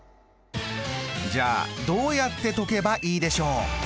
じゃあどうやって解けばいいでしょう？